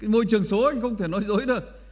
môi trường số anh không thể nói dối được